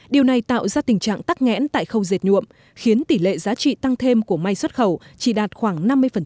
điều này tạo ra tình trạng tắc nghẽn tại khâu dệt nhuộm khiến tỷ lệ giá trị tăng thêm của may xuất khẩu chỉ đạt khoảng năm mươi